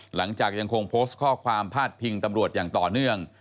หลังจากยังคงโพสต์ข้อความพาดพิงตำรวจอย่างต่อเนื่อง